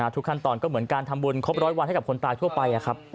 ทุกขั้นตอนก็เหมือนการทำบุญครบร้อยวันให้กับคนตายทั่วไป